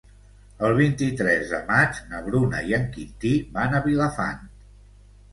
El vint-i-tres de maig na Bruna i en Quintí van a Vilafant.